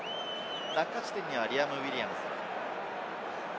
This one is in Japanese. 落下地点にはリアム・ウィリアムズ。